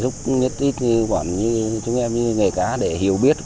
tuyên truyền này là giúp ít ít quảm như chúng em như nghề cá để hiểu biết